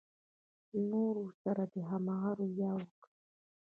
له نورو سره دې هماغه رويه وکړي.